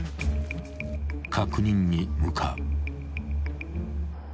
［確認に向かう］